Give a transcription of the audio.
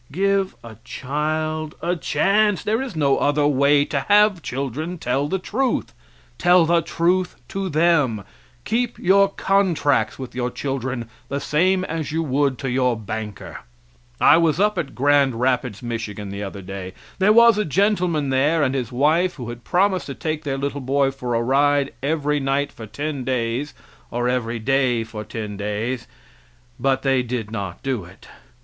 Give a child a chance; there is no other way to have children tell the truth tell the truth to them keep your contracts with your children the same as you would to your banker. I was up at Grand Rapids, Michigan, the other day. There was a gentleman there, and his wife, who had promised to take their little boy for a ride every night for ten days, or every day for ten days, but they did not do it.